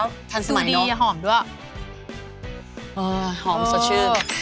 ทันสมัยเนอะสูตรดีหอมด้วยอ๋อหอมสดชื่นอ๋อ